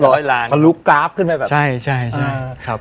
ร้อยล้านทลับจะรุกกราฟฟ์ขึ้นมาใช่นะครับ